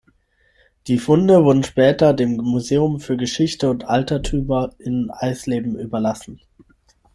Die Funde wurden später dem Museum für Geschichte und Altertümer in Eisleben überlassen.